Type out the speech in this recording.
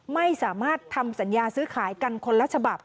ไม่สามารถทำสัญญาซื้อขายกันคนละฉบับ